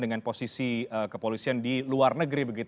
dengan posisi kepolisian di luar negeri